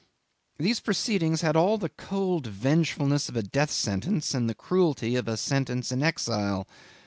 These proceedings had all the cold vengefulness of a death sentence, and the cruelty of a sentence of exile.